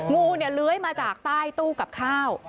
งูเนี่ยเลื้อยมาจากใต้ตู้กับข้าว